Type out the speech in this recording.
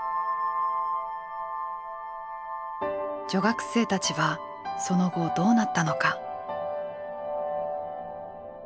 女学生たちはその後どうなったのか。